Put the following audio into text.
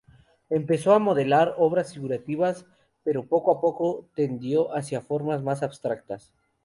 Empezó a modelar obras figurativas, pero poco a poco tendió hacia formas más abstractas.